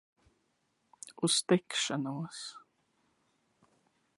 Uz tikšanos!